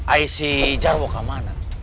aisyah jarwo kemana